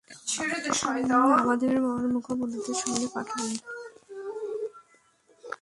আমাদের মারমুখো বন্ধুদের সামনে পাঠান।